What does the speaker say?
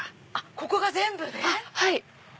ここが全部ね。